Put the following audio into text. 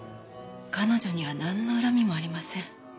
彼女にはなんの恨みもありません。